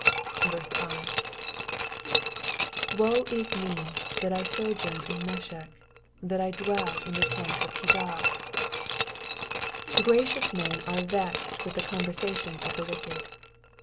5. *'^Woe is me, that I sojourn in Mesech, that I dwell in the tents of KedarP^ Gracious men are vexed with the conversation of the wicked.